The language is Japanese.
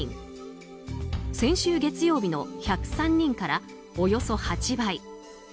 先週月曜日の１０３人からおよそ８倍。